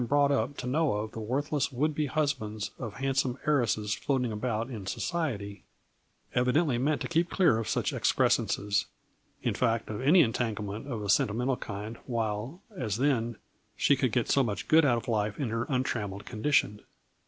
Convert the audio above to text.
brought up to know of the worthless would be husbands of handsome heiresses floating about in society, evidently meant to keep clear of such excrescences, in fact of any entanglement of a sentimental kind while, as then, she could get so much good out of life in her untrammelled condition.